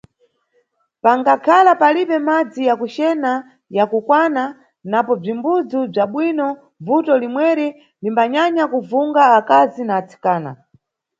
Pangakhala palibe madzi ya kucena ya kukwana, napo bzimbudzu bza bwino, bvuto limweri limbanyanya kuvunga akazi na atsikana.